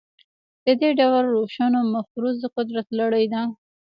د دې ډول روشونو مفروض د قدرت لړۍ ده.